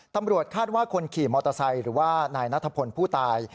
ตำรวจคาดว่าคนขี่มอเตอร์ไซค์หรือว่านายนัทพลผู้ตาย